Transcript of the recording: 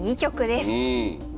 うん。